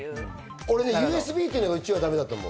ＵＳＢっていうのが、うちわはだめだと思う。